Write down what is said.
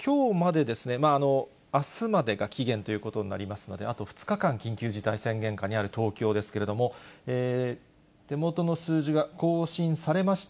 あすまでが期限ということになりますので、あと２日間、緊急事態宣言下にある東京ですけれども、手元の数字が更新されました。